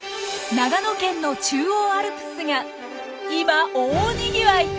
長野県の中央アルプスが今大にぎわい！